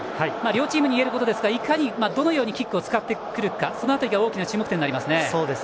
両チームに言えることですがどのようにキックを使ってくるかが大きな注目点になりますね。